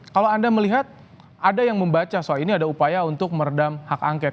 kalau anda melihat ada yang membaca soal ini ada upaya untuk meredam hak angket